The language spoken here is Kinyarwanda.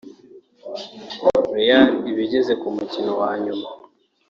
Real iba igeze ku mukino wa nyuma